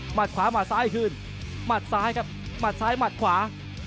หมดขวาหมดซ้ายขึ้นหมดซ้ายครับหมดซ้ายหมดขวา